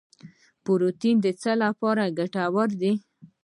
پروټین د څه لپاره ګټور دی